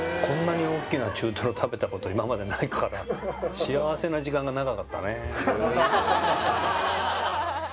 こんなに大きな中トロ食べたこと今までないから幸せな時間が長かったね